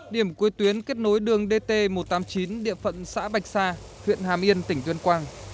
điểm cuối tuyến kết nối đường dt một trăm tám mươi chín địa phận xã bạch sa huyện hàm yên tỉnh tuyên quang